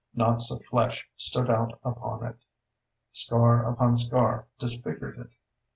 Knots of flesh stood out upon it; scar upon scar disfigured it.